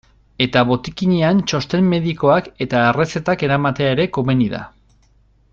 Eta botikinean txosten medikoak eta errezetak eramatea ere komeni da.